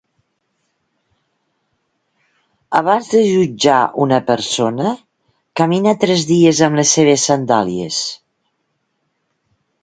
Abans de jutjar una persona, camina tres dies amb les seves sandàlies.